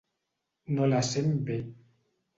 No la sent bé.